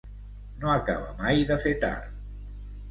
No acaba mai de fer tard.